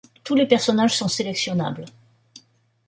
Tous les personnages sont sélectionnables.